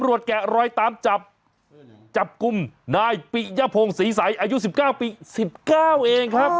แกะรอยตามจับจับกลุ่มนายปิยพงศรีใสอายุ๑๙ปี๑๙เองครับ